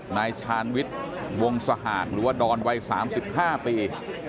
นายชานวิทย์วงสหากหรือว่าดอนวัยสามสิบห้าปี